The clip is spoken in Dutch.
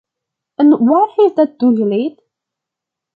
En waar heeft dat toe geleid?